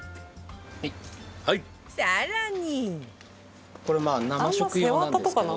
更に